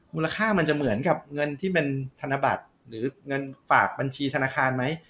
มูลค่ามันจะเหมือนกับเงินที่เป็นธนบัตรหรือเงินฝากบัญชีธนาคารไหม